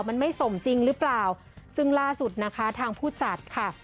มันไม่สมจริงหรือเปล่าซึ่งล่าสุดนะคะทางผู้จัดค่ะ